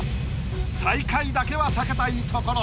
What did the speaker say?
最下位だけは避けたいところ。